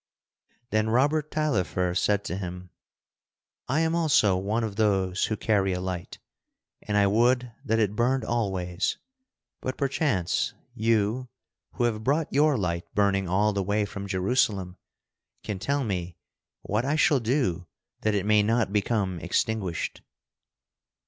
Then Robert Taillefer said to him: "I am also one of those who carry a light, and I would that it burned always. But perchance you, who have brought your light burning all the way from Jerusalem, can tell me what I shall do that it may not become extinguished?"